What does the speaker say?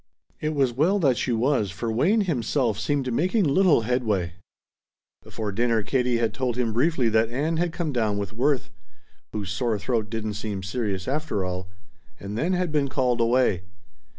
It was well that she was, for Wayne himself seemed making little headway. Before dinner Katie had told him briefly that Ann had come down with Worth (whose sore throat didn't seem serious, after all) and then had been called away.